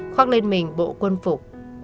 khoác lên mình bộ quân phục